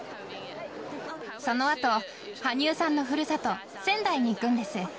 そのあと羽生さんのふるさと、仙台に行くんです。